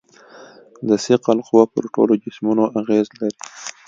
د ثقل قوه پر ټولو جسمونو اغېز لري.